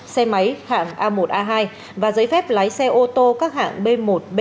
xe máy hạng a một a hai và giấy phép lái xe ô tô các hạng b một b